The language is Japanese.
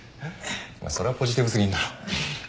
それはポジティブ過ぎんだろ。